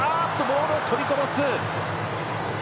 ボールをとりこぼす。